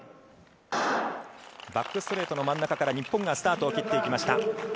バックストレートの真ん中から日本がスタートを切ってきました。